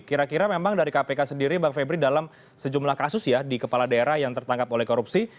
kira kira memang dari kpk sendiri bang febri dalam sejumlah kasus ya di kepala daerah yang tertangkap oleh korupsi